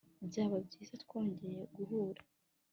byaba byiza twongeye guhura